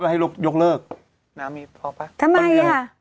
ให้ลูกยกเลิกน้ำมีพอป่ะทำไมอ่ะ